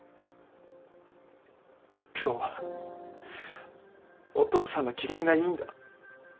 「今日はお父さんの機嫌がいいんだ。